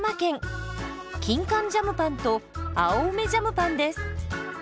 キンカンジャムパンと青梅ジャムパンです。